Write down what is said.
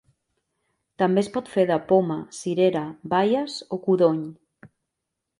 També es pot fer de poma, cirera, baies, o codony.